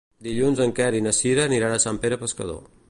Dilluns en Quer i na Sira aniran a Sant Pere Pescador.